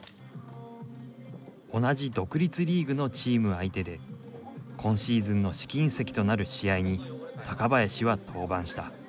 同じ独立リーグのチーム相手で今シーズンの試金石となる試合に高林は登板した。